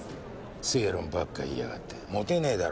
正論ばっか言いやがってモテねぇだろ？